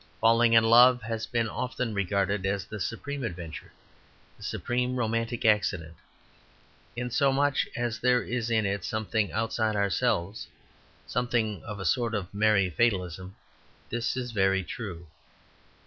Falling in love has been often regarded as the supreme adventure, the supreme romantic accident. In so much as there is in it something outside ourselves, something of a sort of merry fatalism, this is very true.